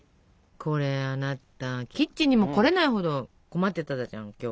これあなたキッチンにも来れないほど困ってたじゃん今日。